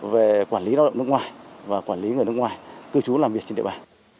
về quản lý lao động nước ngoài và quản lý người nước ngoài cư trú làm việc trên địa bàn